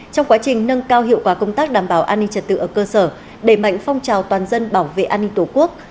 trong quá trình nâng cao hiệu quả công tác đảm bảo an ninh trật tự ở cơ sở đẩy mạnh phong trào toàn dân bảo vệ an ninh tổ quốc